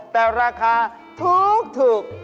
แต่ราคาถูก